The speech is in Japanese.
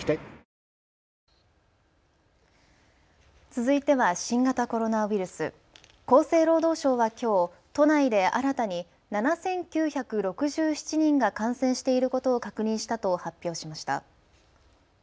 続いては新型コロナウイルス、厚生労働省はきょう、都内で新たに７９６７人が感染していることを確認したと発表しました。